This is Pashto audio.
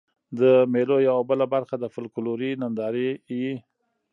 د مېلو یوه بله برخه د فکلوري نندارې يي.